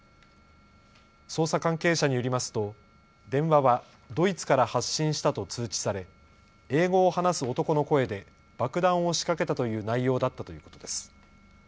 捜査関係者によりますと電話はドイツから発信したと通知され、英語を話す男の声で爆弾を仕掛けたという内容だったということです。